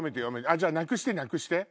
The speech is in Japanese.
じゃあなくしてなくして。